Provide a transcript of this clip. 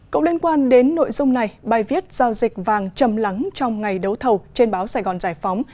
cộng liên quan đến nội dung này bài viết giao dịch vàng chầm lắng trong ngày đấu thầu trên báo sài gòn giải phóng